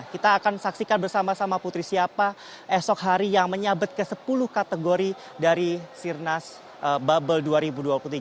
kita akan saksikan bersama sama putri siapa esok hari yang menyabet ke sepuluh kategori dari sirnas bubble dua ribu dua puluh tiga